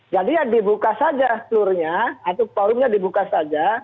jadi ya dibuka saja plurnya atau forumnya dibuka saja